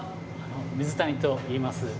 水谷といいます。